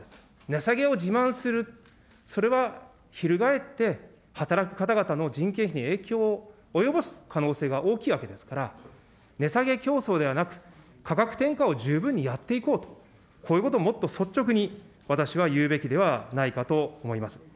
値下げを自慢する、それはひるがえって、働く方々の人件費に影響を及ぼす可能性が大きいわけですから、値下げ競争ではなく、価格転嫁を十分にやっていこうと、こういうことをもっと率直に私は言うべきではないかと思います。